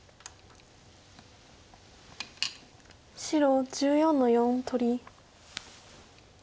白１４の四取り。